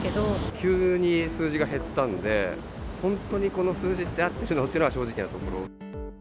急に数字が減ったんで、本当にこの数字って合ってるのっていうのは正直なところ。